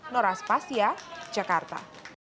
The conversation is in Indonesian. noras pasya jakarta